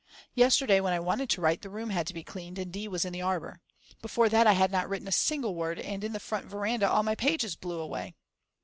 Yesterday when I wanted to write the room had to be cleaned and D. was in the arbour. Before that I had not written a single word and in the front veranda all my pages blew away.